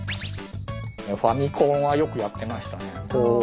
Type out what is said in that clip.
ファミコンはよくやってましたね。